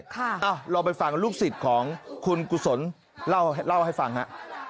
ลองไปฟังลูกศิษย์ของคุณกุศลเล่าให้ฟังฮะ